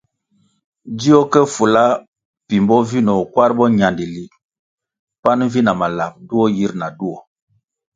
Dzió ke fula pimbo vinoh kwar boñandili pan vi na malap duo yir na duo.